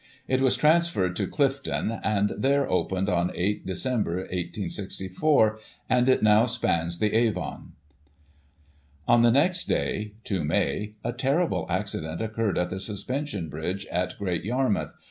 It was transferred to Clifton, and there opened, on 8 Dec, 1864, and it now spans the Avon. On the next day (2 May) a terrible accident occurred at the Suspension bridge at Great Yarmouth.